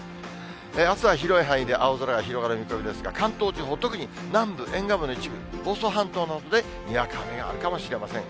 あすは広い範囲で青空が広がる見込みですが、関東地方、特に南部、沿岸部の一部、房総半島などで、にわか雨があるかもしれません。